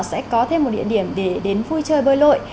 sẽ có thêm một địa điểm để đến vui chơi bơi lội